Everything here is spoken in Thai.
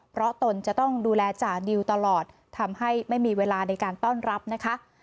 เพราะตนจะต้องดูแลจ่าดิวตลอดทำให้ไม่มีเวลาในการต้อนรับนะคะ